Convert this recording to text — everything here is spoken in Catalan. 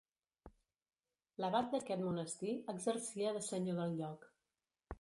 L'abat d'aquest monestir exercia de senyor del lloc.